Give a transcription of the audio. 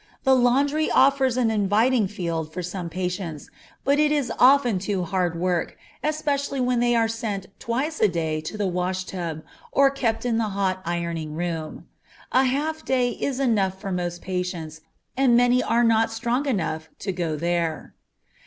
The laundry offers an inviting field for some patients, but it is often too hard work, especially when they are sent twice a day to the wash tub, or kept in the hot ironing room. A half day is enough for most patients, and many are not strong enough to go there.